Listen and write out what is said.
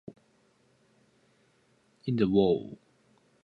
During ancient times, Zagori was inhabited by the Molossians.